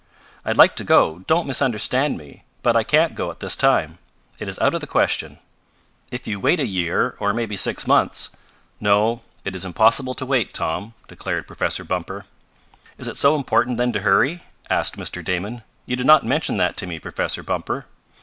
"I'd like to go, don't misunderstand me, but I can't go at this time. It is out of the question. If you wait a year, or maybe six months " "No, it is impossible to wait, Tom," declared Professor Bumper. "Is it so important then to hurry?" asked Mr. Damon. "You did not mention that to me, Professor Bumper."